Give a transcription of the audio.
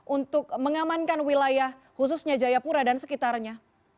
untuk mengamankan wilayah khususnya jayapura dan sekitarnya